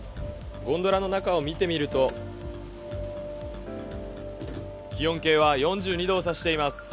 ゴンドラの中を見てみると、気温計は４２度を指しています。